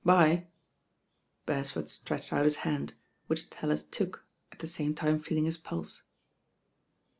'Bye." Beresford stretched out his hand, which Tallit took, at the same time feeling his pulse.